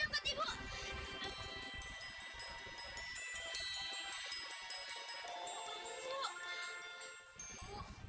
tidak teteh ibu ibu ibu ibu